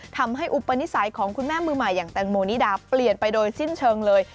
ทำให้อุปนิสัยของคุณแม่มือใหม่อย่างแตงโมนิดาเปลี่ยนไปโดยสิ้นเชิงเลย